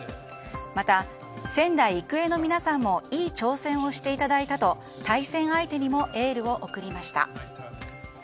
また、仙台育英の皆さんもいい挑戦をしていただいたと対戦相手にもエールを送りました。